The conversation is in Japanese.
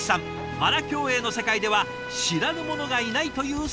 パラ競泳の世界では知らぬ者がいないという存在。